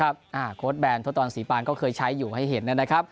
ครับโค้ดแบรนด์โทษตอนศรีปานก็เคยใช้อยู่ให้เห็นนะครับ